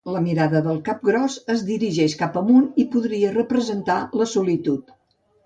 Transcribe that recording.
La mirada del cap del gos es dirigeix cap amunt, i podria representar la solitud.